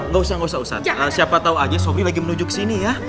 gak usah gak usah siapa tau aja sobri lagi menuju kesini ya